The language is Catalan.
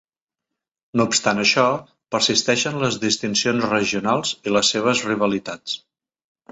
No obstant això, persisteixen les distincions regionals i les seves rivalitats.